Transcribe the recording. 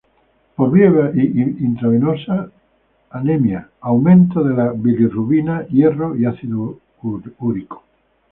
Por vía intravenosa anemia, aumento de la bilirrubina, hierro y ácido úrico.